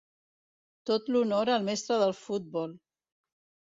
Tot l'honor al mestre del futbol!